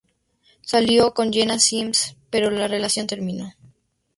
Salió con Jena Sims, pero la relación terminó.